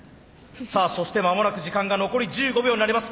さあそして間もなく時間が残り１５秒になります。